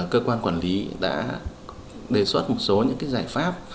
cơ quan quản lý đã đề xuất một số những giải pháp